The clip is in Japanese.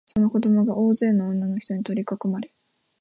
その子供が大勢の女のひとに取りかこまれ、